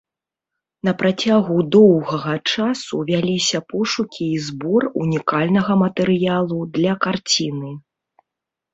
На працягу доўгага часу вяліся пошукі і збор унікальнага матэрыялу для карціны.